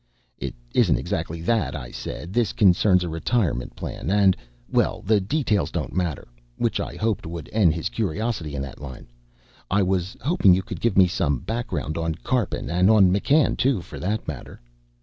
"It isn't exactly that," I said. "This concerns a retirement plan, and well, the details don't matter." Which, I hoped, would end his curiosity in that line. "I was hoping you could give me some background on Karpin. And on McCann, too, for that matter."